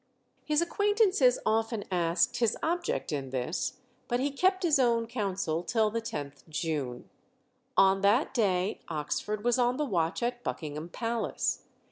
His acquaintances often asked his object in this, but he kept his own counsel till the 10th June. On that day Oxford was on the watch at Buckingham Palace.